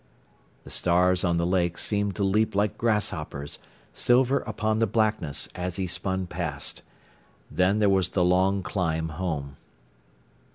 The stars on the lake seemed to leap like grasshoppers, silver upon the blackness, as he spun past. Then there was the long climb home.